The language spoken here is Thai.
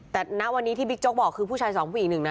แต่ณวันนี้ที่บิ๊กโจ๊กบอกคือผู้ชายสองผู้หญิงหนึ่งนะ